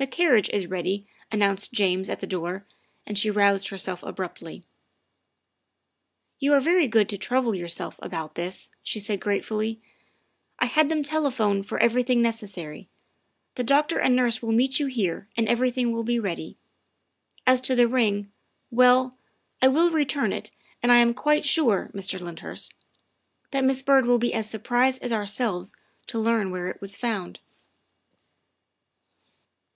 11 The carriage is ready," announced James at the door, and she roused herself abruptly. " You are very good to trouble yourself about this," she said gratefully. " I had them telephone for every thing necessary. The doctor and nurse will meet you here and everything will be ready. As to the ring well, I will return it, and I am quite sure, Mr. Lynd hurst, that Miss Byrd will be as surprised as ourselves to learn where it was found."